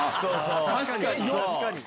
確かに！